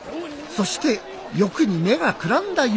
そして欲に目がくらんだ由